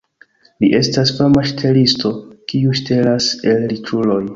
Li estas fama ŝtelisto, kiu ŝtelas el riĉuloj.